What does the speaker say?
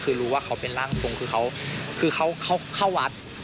คือรู้ว่าเขาเป็นร่างทรงคือเขาคือเขาเข้าวัด